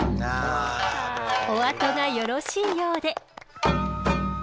お後がよろしいようで。